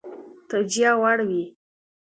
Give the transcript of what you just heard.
توجیه وړ وي.